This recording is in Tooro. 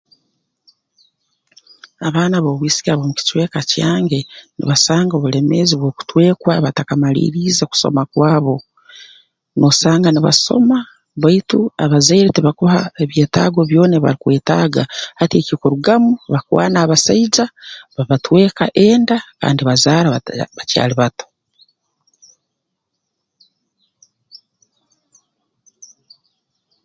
Abaana b'obwisiki ab'omu kicweka kyange nibasanga obulemeezi bw'okutwekwa batakamaliirize kusoma kwabo noosanga nibasoma baitu abazaire tibakuha byetaago byona ebi barukwetaaga hati ekikurugamu bakwana abasaija babatweka enda kandi bazaara bata bakyali bato